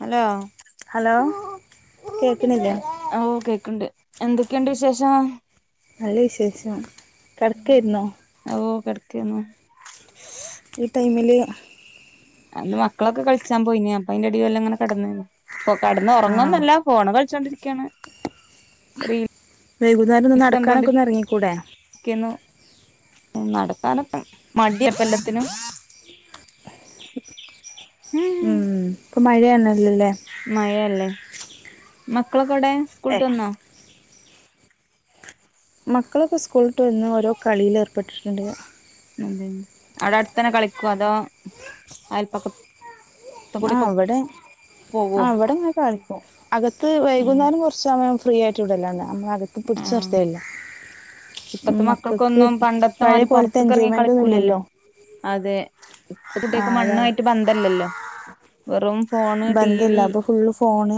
Hello hello കേൾക്കണില്ലേ ആ കേക്കിണ്ട് എന്തൊക്കെയുണ്ട് വിശേഷം. നല്ല വിശേഷം കിടക്കായിരുന്നോ ആയിരുന്നു ഈ ടൈമില് മക്കളൊക്കെ കളിച്ചൻ പോയി ഞാൻ അപ്പൊ ഇങ്ങനെ കെടന്നയാണ് കെടന്ന് ആ ഉറങ്ങുവോന്നുമല്ല ഫോണിൽ കളിച്ചോണ്ടിരിക്കുന്നു ക്കണ് റീൽ വൈകുന്നേരം നടക്കാനൊക്കെ ഇറങ്ങിക്കൂടെ മ്മ് നടക്കാന്ക്കെ മടിയാ എല്ലാത്തിനും മ്മ് ഇപ്പൊ മഴയാണല്ലോ അല്ലെ മഴയല്ലേ മക്കളൊക്കെ ക്കെ എവിടെ സ്കൂൾ വിട്ട് വന്നോ മക്കളൊക്കെ സ്കൂൾ വിട്ട് വന്നു ഓരോ കളിയിൽ ഏർപ്പെട്ടിട്ടുണ്ട്. അവിടെ അടുത്തന്നെ കളിക്കുവോ അതോ അയല്പക്കക്കൂടി ആ ഇവിടെ പോവോ ഇവിടെ നിന്ന് കളിക്കും അകത്തു ഉം വൈകുന്നേരം കുറച്ചു സമയം ഫ്രീ യായിട്ടു [unintelligible] നമ്മൾ അകത്തു പിടിച്ചു ആഹ് നിർത്തിയില്ല ഇപ്പത്തെ മക്കൾക്ക് മക്കൾക്കൊന്നും പഴയ പണ്ടത്തെമാരി പോലത്തെ പുറത്തിക്ക് ഇറങ്ങി എൻജോയ്മെന്റ് ഒന്നും കളിക്കുള്ളല്ലോ ഇല്ലല്ലോ അതെ ഇപ്പോത്തെ ആ കുട്ടികൾക്ക് മണ്ണ് അതാണ് ആയിട്ട് ബന്ധംമില്ലല്ലോ റൂം ബന്ധയില്ല അപ്പോൾ ഫുൾള്ള് ഫോണ്,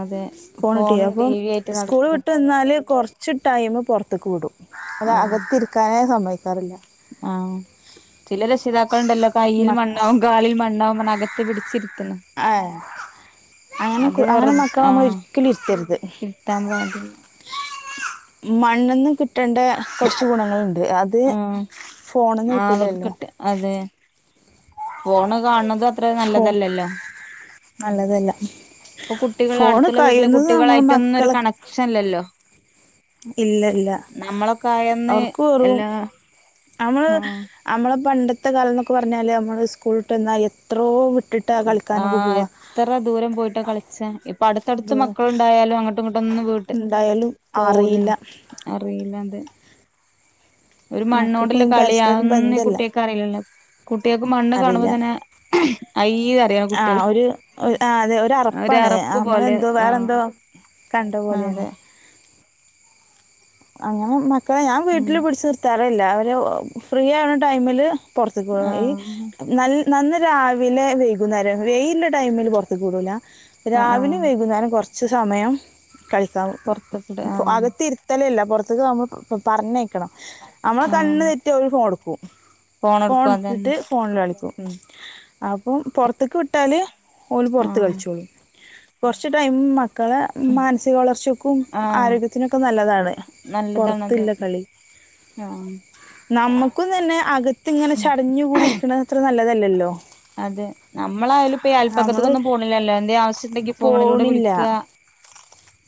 അതെ ഫോണ് ടീവിയാ ഫോണും ടി അപ്പം വി ആയിട്ട് സ്കൂൾ നടക്ക വിട്ടുവാന്നാല് കുറച്ചു ടൈം പുറത്തിക്ക് വിടും അത് ഓ അകതിരിക്കാനെ സമ്മതിക്കാറില്ല. ആഹ് ചില രക്ഷിതാ - ക്കൾ ഉണ്ടല്ലോ കൈയിൽ മക്ക മണ്ണാകും കാലിൽ മണ്ണാകും എന്ന് പറഞ്ഞു അകത്ത് - പിടിച്ചിരിത്തി ആഹ് അങ്ങനെ കു അത് അങ്ങനെ വെറു മക്കളെനമ്മള് ആഹ് ഒരിക്കലും ഇരുത്തരുത് ഇരുത്താൻ പാടില്ല മണ്ണിന്ന് കിട്ട് - ട്ടേണ്ടേ കുറച്ച് ഗുണങ്ങളിണ്ട് അത് - ആഹ് അവർക്കിട്ട് അതെ ഫോണ് കാൺണാതാ അത്ര ഫോ നല്ലതല്ലല്ലോ, നല്ലതല്ല ഇപ്പം കുട്ടികൾ ഫോണ് അടുത്തുള്ള വീട്ടിലെ കഴിയുന്നത് നമ്മൾ കുട്ടികളായിട്ട് ഒന്നും ഒരു കണക്ഷൻ ഇല്ലല്ലോ ഇല്ലല്ലാ നമ്മളൊക്കെ ആയന്ന് അവർക്കു - ക്കും എല്ലാ നമ്മള് ആഹ് നമ്മളാ പണ്ടത്തെ കാലം എന്ന് ഒക്കെ പറഞ്ഞാല് നമ്മള് സ്കൂള് വിട്ട് വന്നാലേ ഇത്രോ - ആഹ് എത്ര ദൂരം പോയിട്ടാകളിച്ചേ ഇപ്പം അടുത്തടുത്ത് ഇത് മക്കൾ ഉണ്ടായാലും അങ്ങോട്ടും ഇങ്ങോട്ടും ഒന്നുംവിട്ട് എന്തായാലും പോകുല്ലാ അറിയില്ല അറിയില്ലാ ന്തേ ഒരു മണ്ണ്കൊണ്ട് ഉള്ള മക്കൾക്കൊന്നും കളി പരസ്പരം അങ്ങനെഒന്നും ബന്ധല്ല കുട്ടികൾക്ക് അറിയില്ലല്ലോ കുട്ടികൾക്ക് മണ്ണ് കാണുമ്പോൾ തന്നെ അയ്യേ അറിയ ആഹ് കുട്ടികൾ ഒരുആഹ് അതെ അറപ്പാണ് ഒരറപ്പ് പോലെ നമ്മളെന്തോ വേറെന്തോ ആഹ് കണ്ടെപോലെയാണ് അതെ ആഹ് അങ്ങനെ ഞാൻ ഉം വീട്ടില് പിടിച്ച് നിർത്താറില്ല - അവരെ ഫ്രീയാക്കണേ ടൈമിലെ പുറത്തിക്ക് പോയാൽ മതി ആഹ് നാല്ല് അന്ന് രാവിലെ വൈകുന്നേരങ്ങളിൽ വെയിലുള്ള ടൈമിലെ പുറത്തിക്ക് വിടൂല ആഹ് ആഹ് രാവിലെ വൈകുന്നേരം കുറച്ച് കുറച്ചു സമയം കളിക്കാൻ പൊറത്ത്ക്കിട് ആഹ് അകത്തിരി ഇല്ല പുറത്തേക്ക് ആകുമ്പോൾ പറഞ്ഞയിക്കും ക്കണം നമ്മൾടെ കണ്ണ് ആഹ് തെറ്റിയാൽ ഇവരെ ഫോണെടുക്കും ഉ ഫോൺ ഫോണെടുക്കും അതന്നെ എടുത്തിട്ട് ഫോണിൽ കളിക്കും അപ്പൊ പുറത്തുക്ക് വിട്ടാല് ഓർ പുറത്തു ആഹ് കളിച്ചോളും കുറച്ചു ടൈം മതി കളുടെ മാനസിക വളർച്ചക്കും ആഹ് ആരോഗ്യത്തിനും നല്ലതാണ് നല്ലതാണത് പുറത്തുള്ള കളി, ആഹ് നമുക്കുതന്നെ തന്നെ ചടഞ്ഞു കൂടി ഇരിക്കുന്നത് അത്ര നല്ലതല്ല! നല്ലതല്ലലോ? അതെ നമ്മളായാലും അയല്പക്കത്തെ നമ്മൾ കൂടെ പോണില്ലലോ എന്തേ ആവിശ്യം ഉണ്ടെങ്ക ഫോണിലൂടെ വിളിക്ക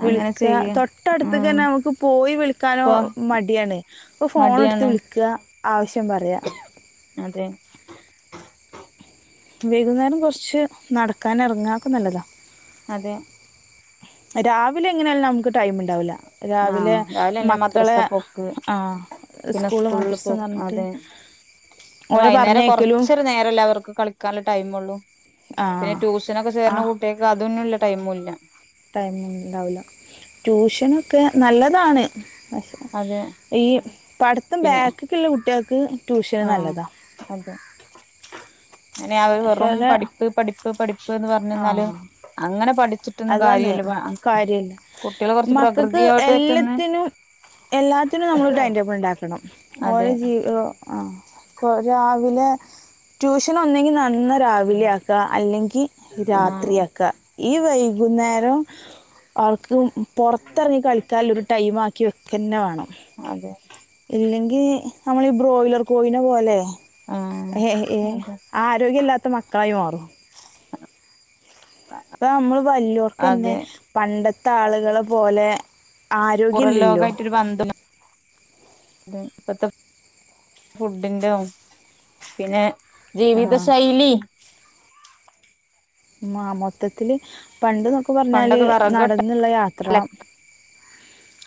വിളിക്കാ തൊട്ടടുത്തക്ക്ന്നെ പോയി വിളിക്കാൻ ഇപ്പൊ മടിയാണ് ഫോണെടുത്തു മടിയാണ് വിളിക്ക റ്റം പറയാ അതെ വൈകുന്നേരം കുറച്ച് നടക്കാനിറ ങ്ങാ അതൊക്കെ നല്ലതാ അതെ രാവിലെ എങ്ങനയായാലും നമുക്ക് ടൈം ഉണ്ടാവൂല ആ രാവിലെ തന്നെ മദ്രസ പോക്ക് ആ സ്കൂൾ മദ്രസ പോ എന്ന് പറഞ്ഞിട്ട് ഓലെ വൈന്നേരം പറഞ്ഞയക്കലും കുറച്ചു നേരമുള്ളൂ അവർക്ക് കളിക്കാൻ ടൈം ഉള്ളു ആ പിന്നെ ട്യൂഷന് ആ ചേരുന്ന കുട്ട്യാൾക്ക് അതിനുള്ള ടൈം ഇല്ല ടൈം ഉണ്ടാവുല്ല ട്യൂഷന് ഒക്കെ നല്ലതാണ് അതെ ഈ പഠിത്തം പിന്നെ ബാക്കിക്കല്ല [unintelligible] കുട്ടികൾക്ക് കുട്ടിൾക്ക് ട്യൂഷൻ ആഹ് നല്ലതാ അതെ അങ്ങനെ വാവുമ്പോ വെറും അവിടെ പഠിപ്പ് പഠിപ്പു പഠിപ്പ് എന്ന് പറഞ്ഞു ആ അതാണ് കാര്യല്ല കാര്യം കുട്ടികള് കൊറച്ച് മക്കക്ക് പ്രകൃതിയോട്ത്ത്ന്ന് എല്ലതിനും എല്ലാത്തിനുംനമ്മളൊരു ടൈമിറ്റബിൾ ഉണ്ടാക്കണം അതെ ഒലെ ജീവിതവും ആ രാവിലെ ഒന്നുങ്കി ട്യൂഷൻ നടന്നു രാവിലെയാക്ക അല്ലെങ്കി രാത്രി ആഹ് യാക്കാ ഈ വൈകുന്നേരം ഓൾക്ക് പുറത്തു ഇറങ്ങി കളിക്കാനുള്ള ടൈം ആക്കി വെക്കാ എന്നാ വേണം അതെ ഇല്ലെങ്കി നമ്മള് ബ്രോയ്ലർ കോഴിനെ പോലെ- ആഹ് ഏ ഏ അതെ ആരോഗ്യ ഇല്ലാത്ത മക്കള് ആയി മാറും [inaudible] ഇപ്പൊ നമ്മള് വല്ലിയോർക്ക് തന്നെ അതെ പണ്ട പണ്ടത്തെ ആളുകളെ പോലെ- ആരോഗ്യയില്ലല്ലോ ഇപ്പോഴത്തെ ഫുഡിന്റെ പിന്നെ ആഹ് ജീവിതശൈലി മാ മൊത്തത്തില് പണ്ട് എന്നൊക്കെ പറഞ്ഞാല് പണ്ടൊക്കെ വെറകൊട്ട നടന്ന് ഉള്ള യാത്ര അല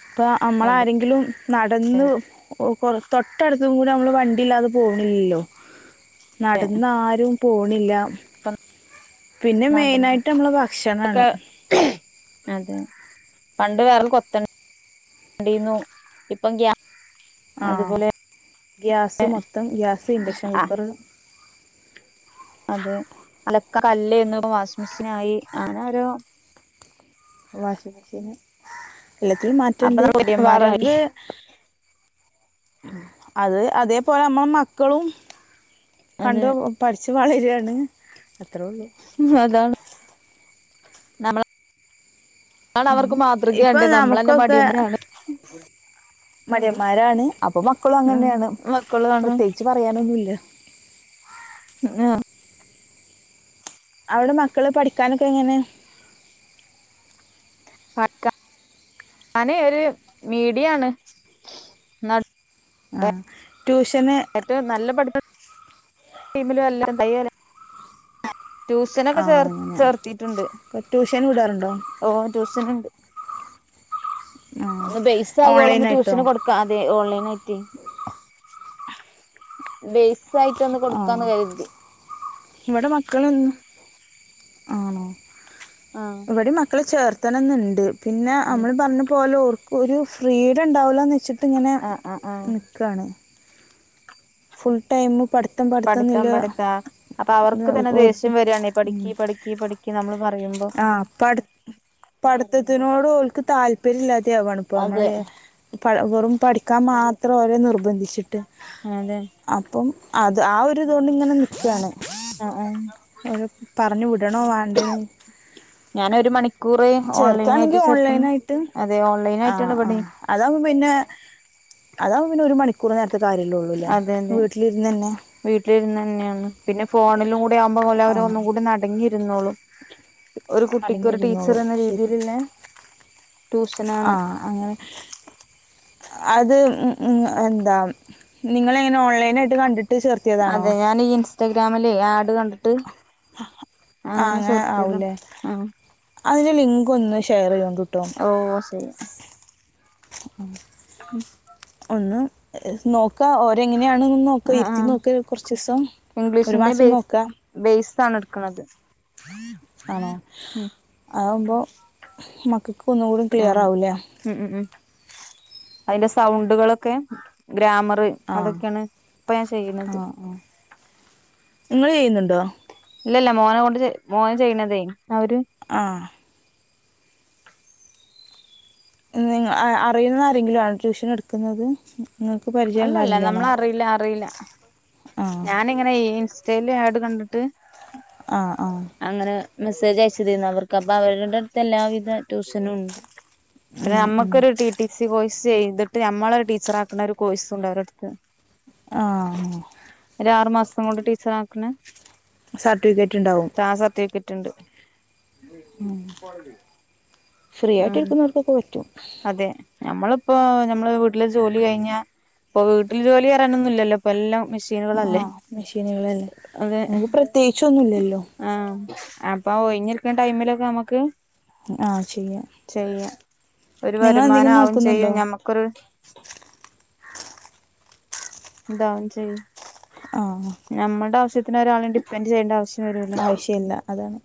ഇപ്പൊ നമ്മള് അതെ ആരെങ്കിലും നടന്ന് [unintelligible] തൊട്ടടുത്ത് പോലും നമ്മള് വണ്ടി ഇല്ലാതെ [unintelligible] പോണില്ലല്ലോ നടന്ന് ആരും പോണില്ലാ ഇപ്പ പിന്നെ മെയിൻ ആയിട്ട് അതൊക്കെ നമ്മള് ഭക്ഷണം ആണ് അതെ പണ്ട് വെറും കൊത്ത ഇപ്പൊ ഗ്യാ ആ അതുപോലെ ഗ്യാസ് മൊത്തം ഗ്യാസ് ഇൻജെക്ഷൻ കുക്കറ് കല്ല് [unintelligible] വാഷിമെഷീൻ ആയി വാഷിമെഷ്യനും എല്ലാത്തിലും അപ്പൊ മാറ്റമുണ്ട് നമ്മള് മടിയന്മാരായി വെറക് അത് അതെ പോലെ നമ്മടെ മക്കളും അതെ കണ്ടു [unintelligible] [unintelligible] അത്രേ ഉള്ളു നമ്മ ഉം ഇപ്പൊ നമ്മുക്ക് നമ്മളന്നെ ഒക്കെ മടിയന്മാരാണ് മടിയമാരാണ് അപ്പൊ മക്കളും ഉം അങ്ങനെയാണ് മക്കളാണ് പ്രത്യേകിച്ച് പറയാൻ ഒന്നുമില്ല ആഹ് അവിടെ മക്കള് പഠിക്കാൻ ഒക്കെ എങ്ങനെ ആർക്കാ [unintelligible] ഒരു മീഡിയം ആണ് [unintelligible] ആ ട്യൂഷന് ഏറ്റവും നല്ല പഠിത്തം [unintelligible] [unintelligible] ട്യൂഷന് ഒക്കെ ആ അങ്ങനെ ചേർത്തിയിട്ടുണ്ട് ഇപ്പോൾ ട്യൂഷൻ വിടാറുണ്ടോ ഓ ട്യൂ [unintelligible] ആ ഒന്ന് ബേസാകുവൊളവൊന്ന് ഓൺലൈനായിട്ടോ ട്യൂഷന് കൊടുക്കാം അതെ ഓൺലൈനായിട്ടെ ബേയ്സായിട്ടൊന്ന് ആ കൊടുക്കാന്ന് കരുതി ഇവിടെ മക്കളൊന്നും ആണോ ആഹ് ഇവിടെ മക്കളെ ചേർ ത്തണന്നുണ്ട് പിന്നെ ഉം നമ്മള് പറഞ്ഞ പോലെ ഓർ ക്കൊരു ഫ്രീഡം ണ്ടാവില്ലാന്ന് വെച്ചിട്ടിങ്ങനെ ആഹ് ആഹ് ആഹ് നിക്കാണ് ഫുൾ ടൈമ് പഠിത്തം പഠിത്താ അപ്പൊ അവർക്ക് തന്നെ ദേഷ്യം വരികാണെ പഠിക്ക് പഠിക്ക് പഠിക്ക് നമ്മള് പ ആ പഠി പടുത്തത്തിനോട് ഓൽക്ക് താല്പര്യം ഇല്ലാതെയാവാണ് ഇപ്പം അതെ അല്ലെ പ വെറും പഠിക്കാൻ മാത്രം ഓരെ നിർബന്ധി വച്ചിട്ട് അതെ അപ്പം അത് ആ ഒരു ഇതുകൊണ്ട് ഇങ്ങനെ നിക്കയാണ് ആ ആ ഓനെ പറഞ്ഞു വിടണോ വേണ്ടയോന്ന് ഞാനൊരു മണിക്കൂറ് ചേർക്കയാണെങ്കി ഓൺലൈനായിട്ട് ചേർത്തുന്നു ഓൺലൈനായിട്ട് അതെ ഓൺലൈൻ ആ ആയിട്ടാണ് ആ ഇവിടെയും അതാവുമ്പോ പിന്നെ അതാവുമ്പോ പിന്നെ ഒരു മണിക്കൂർ നേര ത്തെ കാര്യല്ലേ ഉള്ളൂല്ലേ വീട്ടിലിരുന്ന് തന്നേ പിന്നെയാണ് പിന്നെ ഫോണിലും കൂടെ ആവുമ്പോ ആ എല്ലാവരും ഒന്നും കൂടി ഒന്ന് അടങ്ങിയിരുന്നോളും ഒരു കുട്ടിക്ക് ഒരു ടീച്ചർ അടങ്ങിയിരുന്നോളും എന്ന ശരി രീതിയിലുള്ള ആ ട്യൂഷനാണ് അങ്ങനെ അത് എന്താ നിങ്ങള് എങ്ങനാ ഓൺലൈനായിട്ട് കണ്ടി ട്ട് ചേർത്തിയതാണോ ഇൻസ്റ്റഗ്രാമില് ആഡ് കണ്ട ആ അങ്ങനെ ചേർത്തിയതാ ആവൂല്ലേ ആഹ് അതിന്റെ ലിങ്ക് ഒന്ന് ഷെയർ ചെയ്തോണ്ട് ഓ ശെരി ഉം ഒന്ന് നോ ക്കാം ഓരെങ്ങനെയാണെന്ന് നോക്കാം ആഹ് ഇരുത്തി ആഹ് നോക്കാം കുറച്ച് ദിവസം ഒരു മാസം നോക്കാം ണ് എടുക്കണുന്നത് ആണോ അ അപ്പോ മ ഇന്ക് ഒന്നു കൂടി ക്ലിയർ ആവൂലെ അയിന്റെ സൗണ്ടുകൾ ഒക്കെ ഗ്രാമർ ആ ആ ആ നിങ്ങള് ചെയ്യുന്നുണ്ടോ ഇല്ലല്ലാ മോനെ കൊണ്ട് മോന് ചെയ്യുന്നത് ആ ണിങ്ങനെ അറിയുന്ന ആരെങ്കിലും ആണോ ട്യൂഷൻ ഇട്ക്കുന്നത് അല്ലല്ല നമ്മളെ അറിയില്ല ആ ഞാനിങ്ങനെ ഇൻസ്റ്റയിൽ ആഡ് കണ്ടിട്ട് ആ ആ അങ്ങനെ മെസ്സേജ് അയച്ചദയ്ഞ്ഞു അവർക്ക് അപ്പൊ അവരുടെ അടുത്ത് എല്ലാവിധ ട്യൂഷനും ഉണ്ട് പിന്നെ ഉം ഉം നമ്മക്ക് ഒരു ടി ടി സി കോയ്‌ ചെയ്‌തിട്ട് നമ്മളെ ഒരു ടീച്ചർ ആക്ക്ണാരു കോഴ്സും ഉണ്ട് അവരെ അടുത്ത് ആ ആറ്മാസം കൊണ്ട് ടീച്ചർ ആക്ക്ണെ സർട്ടിഫിക്കറ്റ് ഉണ്ടാവും ട്ടുണ്ട് മ് ഫ്രീ ആയിട്ട് ഇരിക്കുന്നോർക്ക് ഒക്കെ പറ്റും നമ്മളിപ്പൊ നമ്മളെ വീട്ടിലെ ജോലി കഴിഞ്ഞ ഇപ്പൊ വീട്ടില് ജോലി പറയാനൊന്നും ഇല്ലല്ലോ ഇപ്പൊ എല്ലാം ആ മെഷീനുകളല്ലേ മിഷീനുകള് അതെ നമ്മക്ക് പ്രതേകിച്ചു ഒന്നും ഇല്ലല്ലോ ആഹ് അപ്പൊ ഒഴിഞ്ഞു ഇരിക്ക്ണ്ട ടൈംമിൽ ഒക്കെ നമ്മക്ക് ആ ചെയ്യാം ചെയ്യാ ഒരു നിങ്ങൾ വരുമാനം എന്തെങ്കിലും ആവും നോക്കുന്നുണ്ടോ ചെയ്യും ഞമ്മക്ക് ഒരു ഇതാവും ചെയ്യും ആ ഞമ്മടെ [inaudible] പിന്നെഒരാളീം ഡിപെൻഡ് ചെയ്യണ്ട ആവിശ്യം ആവിശ്യല്ല അതാണ്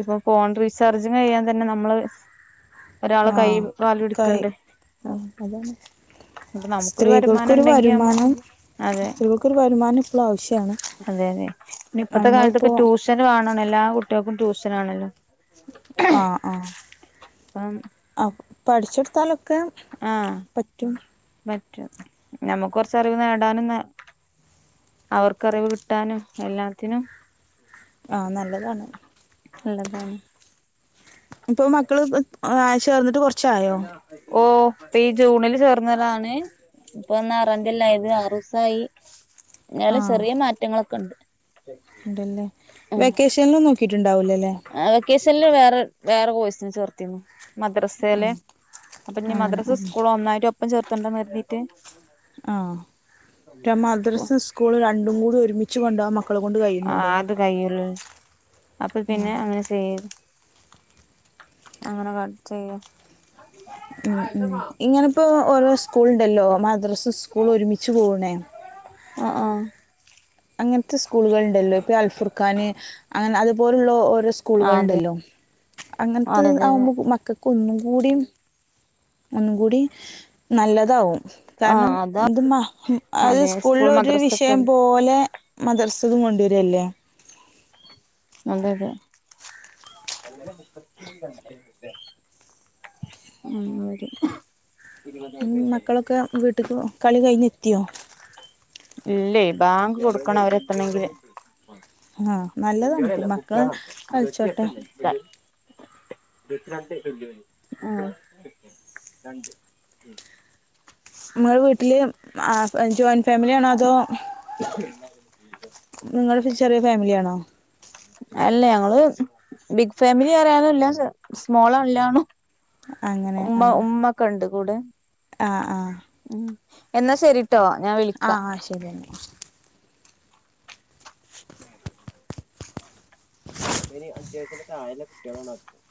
ഇപ്പൊ ഫോൺ റീചാർജിംങ് ചെയ്യാൻ തന്നെ നമ്മള് ഒരാളെ ആഹ് കൈയും കാല് ഒക്കായി പിടിക്കണ്ടേ ആഹ് ഇതിപ്പോ നമ്മുക്ക് ഒരു വരു കൾക്ക് ഒരു വരുമാനം ചേലോർക്ക് ഒരു വരുമാനം എപ്പളും ആവിശ്യാണ് അതെ നമ്മളിപ്പോ വേണം എല്ലാ കുട്ടികൾക്കും ട്യൂഷൻ ആണിന്ന് ആ ആ അപ്പം അപ്പ പ്പൊ അടിച്ച് കൊടുത്താലും [unintelligible] പറ്റും റ്റും കുറച്ച് അറിവ് നേടാനുംനേ അവർക്ക് അറിവ് കിട്ടാനും എല്ലാത്തിനും ആ നല്ലതാണ് നല്ലതാണ് ഇപ്പൊ മക്കള് [unintelligible] [unintelligible] ഓ പ്പഈ ജൂണിൽ ചേർന്നതാണ് ആറാം [unintelligible] ആറുസായി ന്നാലും ചെറിയ മാറ്റങ്ങൾ ഒക്കെ ഉണ്ട് എന്തെല്ലാം ഉം വെക്കേഷന് കിട്ടിട്ടുണ്ടാവില്ലല്ലേ വെക്കേഷനിൽ വേറെ വേറെ കോഴ്സിന് ചേർത്തിനു മദ്രസേല് അപ്പന്നി അങ്ങനെ മദ്രസ ആഹ് സ്കൂൾ ഒന്നാംക [unintelligible] ആ മദ്രസ, സ്കൂൾ രണ്ടു കൂടെ ഒരുമിച്ചു വന്നു ആ അത് കഴിയും അപ്പോ പിന്നെ അങ്ങനെ ചെയ്യാൻ അങ്ങനെ ചെയ്യും മം മം ഇങ്ങനെ ഇപ്പോ ഓരോ സ്കൂൾ ഉണ്ടല്ലോ ഇങ്ങനെ മദ്രസ ഒരുമിച്ചു പോകുന്ന ആ ആ അങ്ങനത്തെ സ്കൂൾ ഉണ്ടല്ലോ ഇപ്പോൾ അൽഫിക്കനെ അതുപോലുള്ള ആ സ്കൂളുകൾ അതെ ഉണ്ടല്ലോ അതെ അതെ അങ്ങനതാ അതെ മക്കൾക്ക് ഒന്നുകൂടി ഒന്നുകൂടി നല്ലതാവും ആ കാരണം അതാ അത് അതെ സ്കൂളിൽ സ്കൂൾ ഒരു മദ്രസൊക്കെ വിഷയം പോലെ മദർസ് [unintelligible] അതെ അതെ [unintelligible] മക്കളൊക്കെ വീട്ടിക്ക് കളിയൊക്കെ കഴിഞ്ഞ് എത്തിയോ ഇല്ല വാങ്ക് കൊടുക്കുന്നവരെ എത്തണം ഇനി ആ നല്ലതാണ് മക്കൾ ഇപ്പോ കളിച്ചോട്ടെ [unintelligible] നിങ്ങടെ വീട്ടിലെ ജോയിൻ ഫാമിലി ആണോ അതോ നിങ്ങൾ ചെറിയൊരു ഫാമിലി ആണോ? [unintelligible] അല്ല ഞങ്ങള് ബിഗ് ഫാമിലി അറിയാനല്ലന്ന് സ്മോളല്ലാന്നും അങ്ങനെ ആ ഉമ്മ ഉമ്മ ഒക്കെ ഉണ്ട് കൂടെ ആ ഉം എന്ന ശെരി ട്ടോ ഞാ വിളിക്ക ആ ആ ശരി എന്നാ അഞ്ചിനി അഞ്ച് വയസ്സിന്റെ താഴെ കുട്ടികളാണ് അതികം